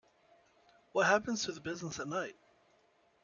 What happens to the business at night?